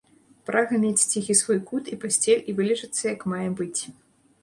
Прага мець ціхі свой кут і пасцель і вылежацца як мае быць.